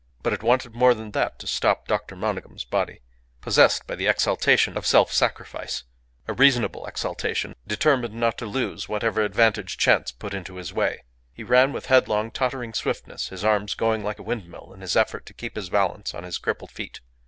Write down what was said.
But it wanted more than that to stop Dr. Monygham's body, possessed by the exaltation of self sacrifice; a reasonable exaltation, determined not to lose whatever advantage chance put into its way. He ran with headlong, tottering swiftness, his arms going like a windmill in his effort to keep his balance on his crippled feet.